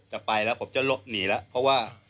จะไปแล้วผมจะลดหนีแล้ว